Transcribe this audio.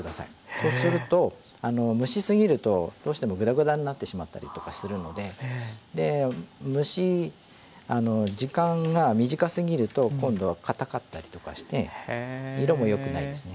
そうすると蒸しすぎるとどうしてもグダグダになってしまったりとかするので蒸し時間が短すぎると今度はかたかったりとかして色もよくないですね。